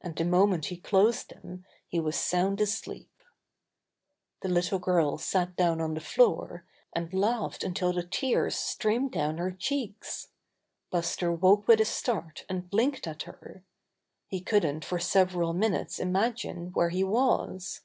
And the moment he closed them he was sound asleep. The little girl sat down on the floor, and laughed until the tears streamed down her cheeks. Buster woke with a start and blinked at her. He couldn't for several minutes im agine where he was.